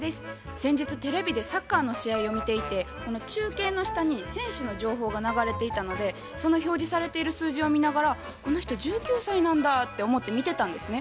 先日テレビでサッカーの試合を見ていて中継の下に選手の情報が流れていたのでその表示されている数字を見ながら「この人１９歳なんだ」って思って見てたんですね。